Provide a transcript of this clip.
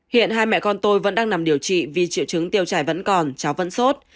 hiện hai mẹ con tôi vẫn đang nằm điều trị vì triệu chứng tiêu chảy vẫn còn cháu vẫn sốt